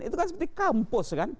itu kan seperti kampus kan